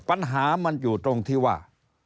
ปัญหามันอยู่ตรงที่ว่า